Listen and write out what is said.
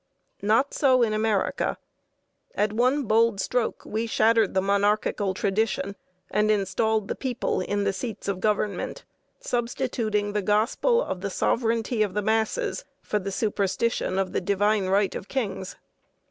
Not so in America. At one bold stroke we shattered the monarchical tradition, and installed the people in the seats of government, substituting the gospel of the sovereignty of the masses for the superstition of the divine right of kings.